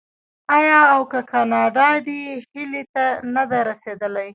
آیا او کاناډا دې هیلې ته نه ده رسیدلې؟